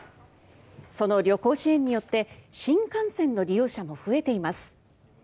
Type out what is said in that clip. その旅行支援によって新幹線の利用者も増えています。